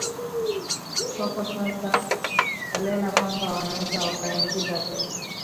soko sasa holela kwamba wanaweza wakaiingiza vii